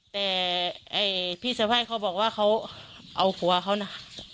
แต่เอ่ยพี่สวัสดิ์เขาบอกว่าเขาเอาหัวเขาน่ะ